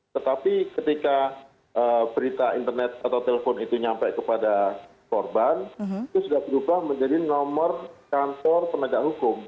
tetapi ketika berita internet atau telepon itu nyampe kepada korban itu sudah berubah menjadi nomor kantor penegak hukum